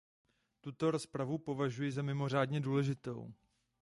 Tuto rozpravu považuji za mimořádně důležitou.